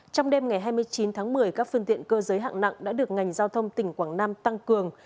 trong đêm ngày hai mươi chín tháng một mươi các phương tiện cơ giới hạng nặng đã được ngành giao thông tỉnh quảng nam tăng cường